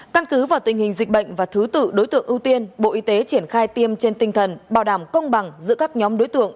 căn cứ vào tình hình dịch bệnh và thứ tự đối tượng ưu tiên bộ y tế triển khai tiêm trên tinh thần bảo đảm công bằng giữa các nhóm đối tượng